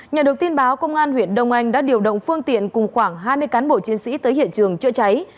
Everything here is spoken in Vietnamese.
nhờ được tin báo công an huyện đông anh đã điều động phương tiện cùng khoảng hai mươi cán bộ chiến sĩ tới hiện trường chữa cháy